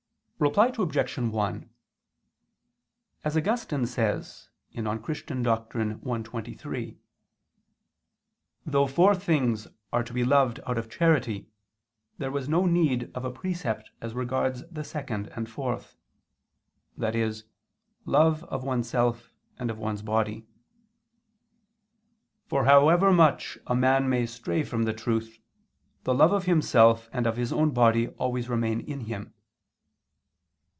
Reply Obj. 1: As Augustine says (De Doctr. Christ. i, 23), "though four things are to be loved out of charity, there was no need of a precept as regards the second and fourth," i.e. love of oneself and of one's own body. "For however much a man may stray from the truth, the love of himself and of his own body always remains in him."